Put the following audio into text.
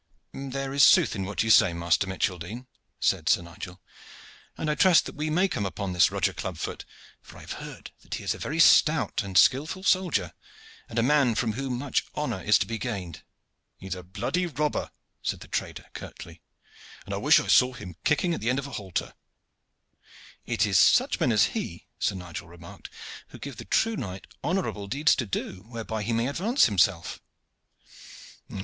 "There is sooth in what you say, Master Micheldene," said Sir Nigel, "and I trust that we may come upon this Roger Clubfoot, for I have heard that he is a very stout and skilful soldier, and a man from whom much honor is to be gained." "He is a bloody robber," said the trader, curtly, "and I wish I saw him kicking at the end of a halter." "It is such men as he," Sir Nigel remarked, "who give the true knight honorable deeds to do, whereby he may advance himself."